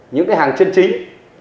những cái hàng chân chính